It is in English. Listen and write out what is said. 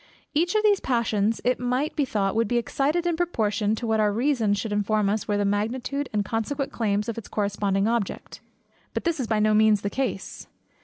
Each of these passions, it might be thought, would be excited, in proportion to what our reason should inform us were the magnitude and consequent claims of its corresponding object. But this is by no means the case.